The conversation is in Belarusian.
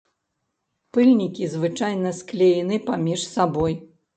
Пыльнікі звычайна склеены паміж сабой.